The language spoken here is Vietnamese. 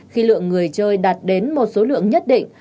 khi lượng người chơi đạt đến một số lượng nhất định